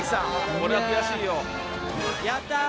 「これは悔しいよ」